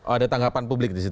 ada tanggapan publik di situ